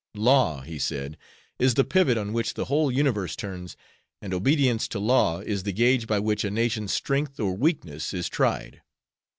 "Law," he said, "is the pivot on which the whole universe turns; and obedience to law is the gauge by which a nation's strength or weakness is tried.